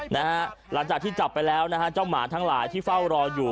หลังจากที่จับไปแล้วนะฮะเจ้าหมาทั้งหลายที่เฝ้ารออยู่